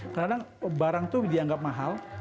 kadang kadang barang itu dianggap mahal